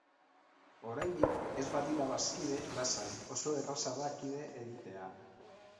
Oraindik ez badira bazkide, lasai, oso erraza da kide egitea.